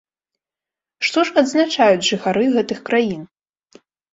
Што ж адзначаюць жыхары гэтых краін?